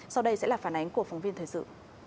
sau đây sẽ là phản ánh của phóng viên thời sự